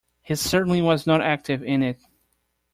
He certainly was not active in it.